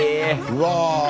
うわ！